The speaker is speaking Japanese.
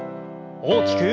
大きく。